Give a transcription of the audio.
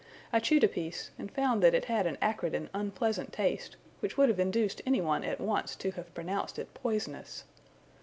I chewed a piece, and found that it had an acrid and unpleasant taste, which would have induced any one at once to have pronounced it poisonous.